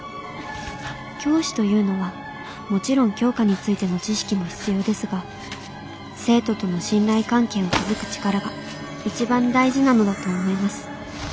教師というのはもちろん教科についての知識も必要ですが生徒との信頼関係を築く力が一番大事なのだと思います。